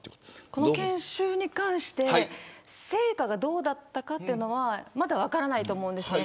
この研修に関して成果がどうだったのかはまだ分からないと思うんです。